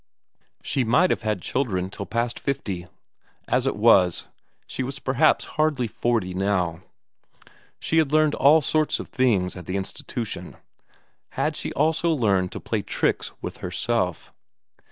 She might have had children till past fifty; as it was, she was perhaps hardly forty now. She had learned all sorts of things at the institution had she also learned to play tricks with herself?